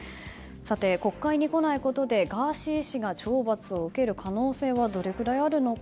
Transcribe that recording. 国会に来ないことでガーシー氏が懲罰を受ける可能性はどれくらいあるのか。